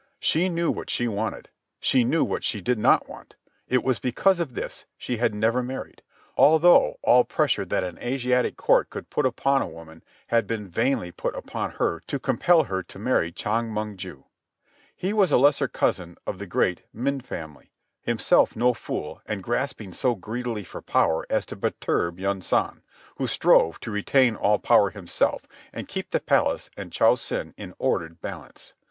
She knew what she wanted. She knew what she did not want. It was because of this she had never married, although all pressure that an Asiatic court could put upon a woman had been vainly put upon her to compel her to marry Chong Mong ju. He was a lesser cousin of the great Min family, himself no fool, and grasping so greedily for power as to perturb Yunsan, who strove to retain all power himself and keep the palace and Cho Sen in ordered balance.